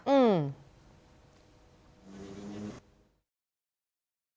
อื้อ